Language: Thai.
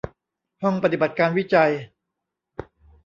ห้องปฏิบัติการวิจัย